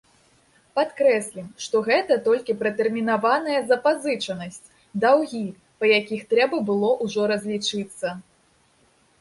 Падкрэслім, што гэта толькі пратэрмінаваная запазычанасць, даўгі, па якіх трэба было ўжо разлічыцца.